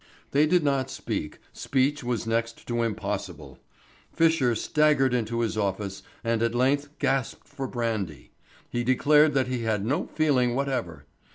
They did not speak, speech was next to impossible. Fisher staggered into his office and at length gasped for brandy. He declared that he had no feeling whatever.